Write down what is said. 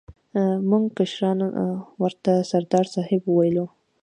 موږ کشرانو ورته سردار صاحب ویلو.